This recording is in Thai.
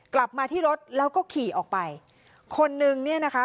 กลับมาที่รถแล้วก็ขี่ออกไปคนนึงเนี่ยนะคะ